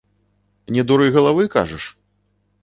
Не дуры галавы, кажаш?